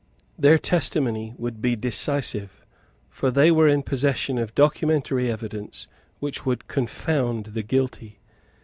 Their testimony would be decisive; for they were in possession of documentary evidence which would confound the guilty.